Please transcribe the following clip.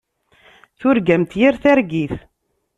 Turgamt yir targit.